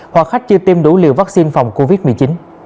hoặc khách chưa tiêm đủ liều vắc xin phòng covid một mươi chín